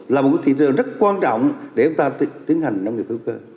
là một thị trường rất quan trọng để chúng ta tiến hành nông nghiệp hữu cơ